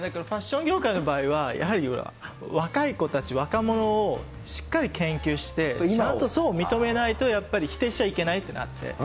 ファッション業界の場合は、やはり若い子たち、若者をしっかり研究して、ちゃんと認めないと、否定しちゃいけないってなって。